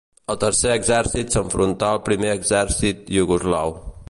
El Tercer Exèrcit s'enfrontà al Primer Exèrcit iugoslau.